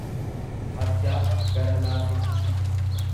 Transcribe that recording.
harjaa, gara laafettii.